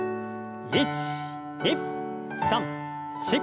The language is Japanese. １２３４。